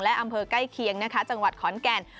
และอำเภอใกล้เคียงนะคะจังหวัดขอนแก่น